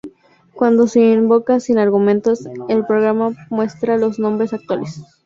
Cuando se invoca sin argumentos, el programa muestra los nombres actuales.